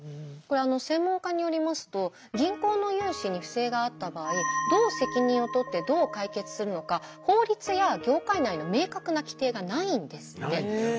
これ専門家によりますと銀行の融資に不正があった場合どう責任をとってどう解決するのか法律や業界内の明確な規定がないんですって。